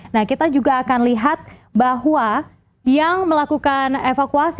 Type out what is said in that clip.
nah kita juga akan lihat bahwa yang melakukan evakuasi